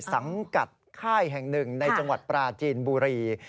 สังกัดค่ายแห่งหนึ่งในจังหวัดปราจีนบุรี